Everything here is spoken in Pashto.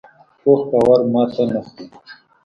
پوخ باور ماتې نه خوري